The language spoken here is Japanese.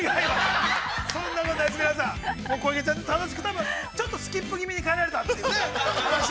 ◆そんなことないです、皆さん、小池ちゃん、ちょっとスキップぎみに帰られたんですよね。